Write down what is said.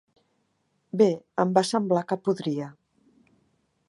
Bé, em va semblar que podria.